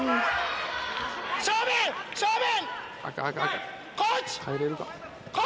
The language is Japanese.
正面、正面！